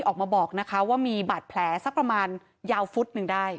ออกมาบอกนะคะว่ามีบาดแผลสักประมาณยาวฟุตหนึ่งได้